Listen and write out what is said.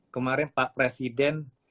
kemarin pak presiden